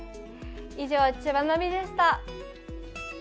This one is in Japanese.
以上、「ちばナビ」でした。